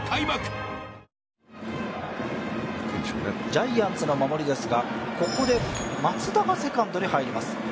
ジャイアンツの守りですが、ここで松田がセカンドに入ります。